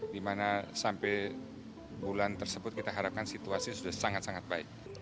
dimana sampai bulan tersebut kita harapkan situasi sudah sangat sangat baik